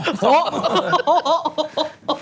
โหโหโห